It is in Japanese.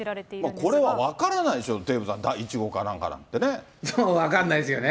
これは分からないでしょ、デーブさん、第１号かなんかなんてそう、分からないですよね。